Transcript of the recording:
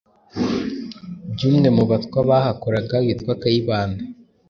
byumwe mu Batwa bahakoraga witwa Kayibanda.